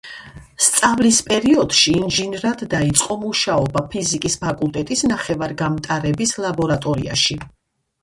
სწავლის პერიოდში ინჟინრად დაიწყო მუშაობა ფიზიკის ფაკულტეტის ნახევარგამტარების ლაბორატორიაში.